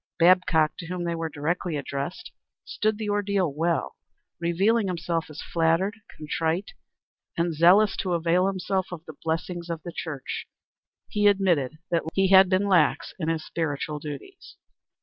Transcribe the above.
Babcock, to whom they were directly addressed, stood the ordeal well, revealing himself as flattered, contrite, and zealous to avail himself of the blessings of the church. He admitted that lately he had been lax in his spiritual duties.